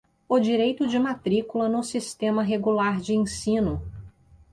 o direito de matrícula no sistema regular de ensino.